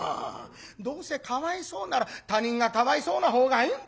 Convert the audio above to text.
どうせかわいそうなら他人がかわいそうなほうがいいんだよ。